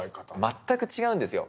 全く違うんですよ。